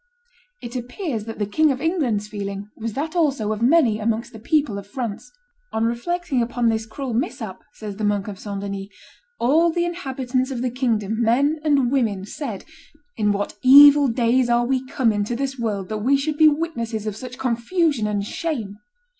It appears that the King of England's feeling was that also of many amongst the people of France. "On reflecting upon this cruel mishap," says the monk of St. Denis, "all the inhabitants of the kingdom, men and women, said, 'In what evil days are we come into this world that we should be witnesses of such confusion and shame!